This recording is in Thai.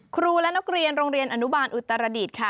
ครูและนักเรียนโรงเรียนอนุบาลอุตรดิษฐ์ค่ะ